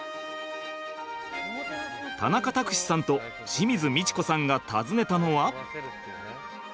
田中卓志さんと清水ミチコさんが訪ねたのは。